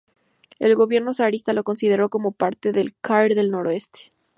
El gobierno zarista lo consideró como parte del krai del Noroeste.